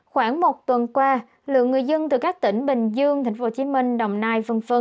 khoảng một tuần qua lượng người dân từ các tỉnh bình dương thành phố hồ chí minh đồng nai v v